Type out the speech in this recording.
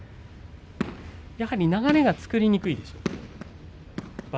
やはり流れが作りにくいでしょうか